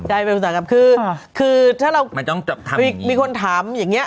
ใช่เป็นอุตสาหกรรมคือคือถ้าเรามีคนถามอย่างเงี้